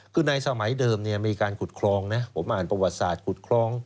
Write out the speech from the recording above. คือในสมัยเดิมมีการขุดคลองนะผมอ่านประวัติศาสตร์ขุดคล้อง